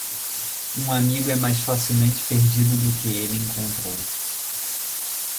Um amigo é mais facilmente perdido do que ele encontrou.